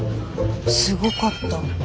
すごかった。